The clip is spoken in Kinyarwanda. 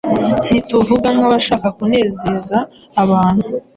Ntituvuga nk’abashaka kunezeza abantu,